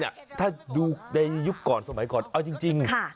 เนี่ยถ้าดูในยุคก่อนสมัยก่อนเอาจริงค่ะ